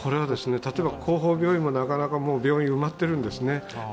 例えば、後方病院もなかなか病院が埋まっているんですね。